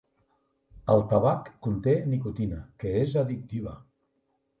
El tabac conté nicotina, que es addictiva.